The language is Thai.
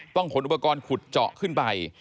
ขนอุปกรณ์ขุดเจาะขึ้นไป